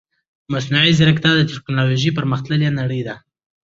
مصنوعي ځيرکتيا د تکنالوژي پرمختللې نړۍ ده .